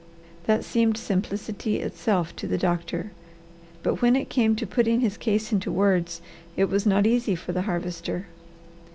That seemed simplicity itself to the doctor. But when it came to putting his case into words, it was not easy for the Harvester.